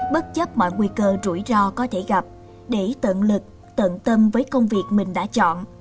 bất chấp mọi nguy cơ rủi ro có thể gặp để tận lực tận tâm với công việc mình đã chọn